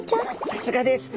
さすがです。